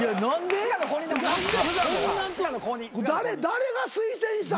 誰が推薦したん？